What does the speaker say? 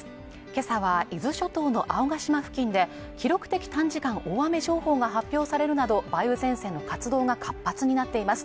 今朝は伊豆諸島の青ヶ島付近で記録的短時間大雨情報が発表されるなど梅雨前線の活動が活発になっています